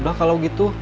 udah kalau gitu